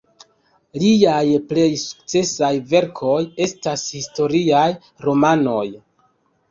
Liaj plej sukcesaj verkoj estas historiaj romanoj.